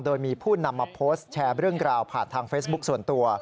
โดยมีผู้นำมาโพสต์แชร์เรื่องราวผ่านทางเฟซบุ๊คส่วนตัว